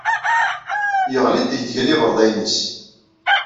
Yeɣli ddegdegen ibeṛdayen-is.